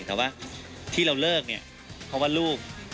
แต่ว่าที่เราเลิกเนี่ยเพราะว่าลูก